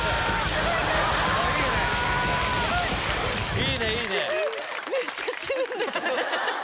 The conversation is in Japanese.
いいねいいね。